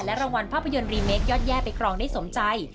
รางวัลภาพยนตร์รีเมคยอดแย่ไปครองได้สมใจ